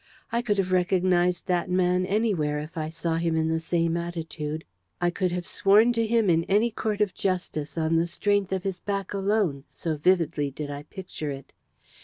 I could have recognised that man anywhere if I saw him in the same attitude. I could have sworn to him in any court of justice on the strength of his back alone, so vividly did I picture it.